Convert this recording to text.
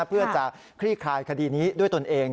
เพื่อจะคลี่คลายคดีนี้ด้วยตนเอง